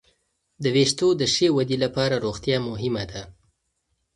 د وېښتو د ښې ودې لپاره روغتیا مهمه ده.